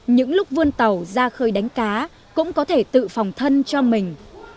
những lúc vươn tàu ra khơi đánh cá cũng có thể tự phòng thân cho mình